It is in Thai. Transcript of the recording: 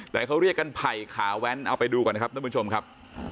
แต่เขาเรียกกันไผ่ขาแว้นเอาไปดูก่อนนะครับท่านผู้ชมครับ